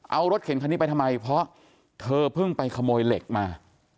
เอารถเข็นคันนี้ไปทำไมเพราะเธอเพิ่งไปขโมยเหล็กมา